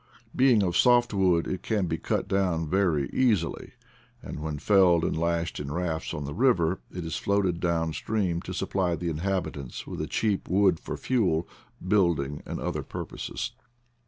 Being of soft wood, it can be cut down very easily; and when felled lashed in rafts on the river, it is floated doi stream to supply the inhabitants with a cheaj wood for fuel, building, and other purposes.